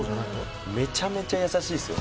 めちゃめちゃ優しいですよ。